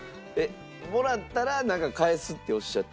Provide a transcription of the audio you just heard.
もらったらなんか返すっておっしゃってた。